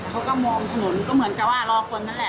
เขาก็มองถนนก็เหมือนกับว่ารอคนนั่นแหละ